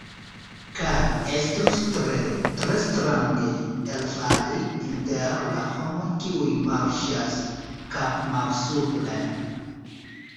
Kaj estos tre, tre strange elfali inter la homoj kiuj marŝas kapmalsupre!